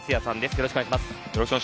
よろしくお願いします。